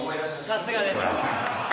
さすがです。